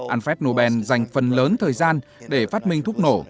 alfred nobel dành phần lớn thời gian để phát minh thuốc nổ